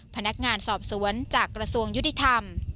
พนักงานสอบสวนจากกระทรวงยุติธรรม